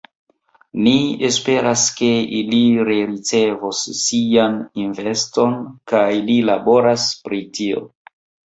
Ni esperas, ke ili rericevos sian investon kaj ni laboras pri tio.